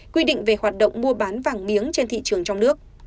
quy định về hoạt động mua bán vàng miếng trên thị trường trong nước